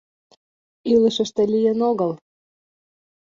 Илышыште лийын огыл